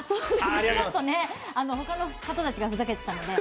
ちょっと他の方たちがふざけてたので。